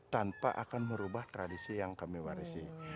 tanpa akan merubah tradisi yang kami warisi